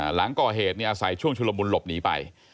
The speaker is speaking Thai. หลังก่อเหตุอาศัยช่วงชุลมุนหลบหนีไป